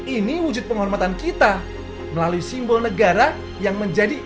ini wujud penghormatan kita melalui simbol negara yang menjadi